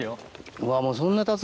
うわもうそんなたつ？